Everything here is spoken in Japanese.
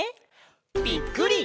ぴっくり！